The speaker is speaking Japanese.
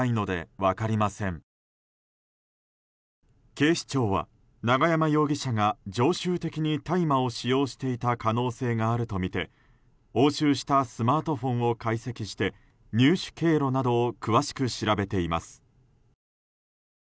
警視庁は、永山容疑者が常習的に大麻を使用していた可能性があるとみて押収したスマートフォンを解析して入手経路などを詳しく調べています。